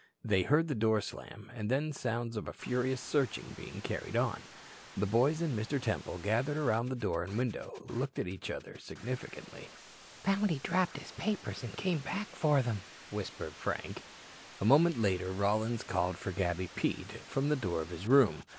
They heard the door slam, and then sounds of a furious searching being carried on. The boys and Mr. Temple, gathered around the door and window, looked at each other significantly. "Found he dropped his papers and came back for them," whispered Frank. A moment later Rollins called for Gabby Pete from the door of his room.